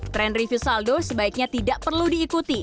tren review saldo sebaiknya tidak perlu diikuti